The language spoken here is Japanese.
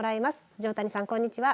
条谷さんこんにちは。